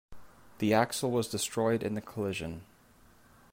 The axle was destroyed in the collision.